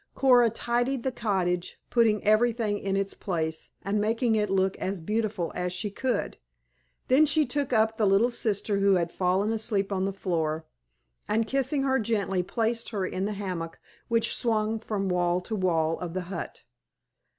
Coora tidied the cottage, putting everything in its place and making it look as beautiful as she could. Then she took up the little sister who had fallen asleep on the floor, and kissing her tenderly placed her in the hammock which swung from wall to wall of the hut.